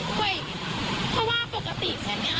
เพราะว่าปกติแบบนี้ค่ะ